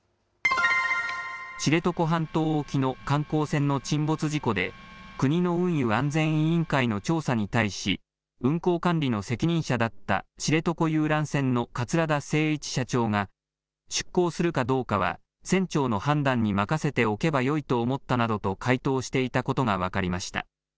知床半島沖の観光船の沈没事故で国の運輸安全委員会の調査に対し運航管理の責任者だった知床遊覧船の桂田精一社長が出航するかどうかは船長の判断に任せておけばよいと思ったなどと回答していたことが分かりました。